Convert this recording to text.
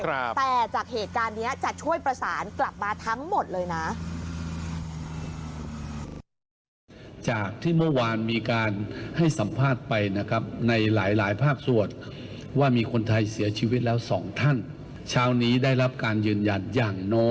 แต่จากเหตุการณ์นี้จะช่วยประสานกลับมาทั้งหมดเลยนะ